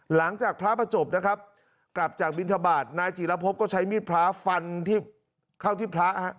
หลังจากพระประจบนะครับกลับจากบินทบาทนายจีรพบก็ใช้มีดพระฟันที่เข้าที่พระฮะ